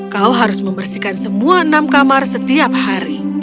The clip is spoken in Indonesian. kau harus membersihkan semua enam kamar setiap hari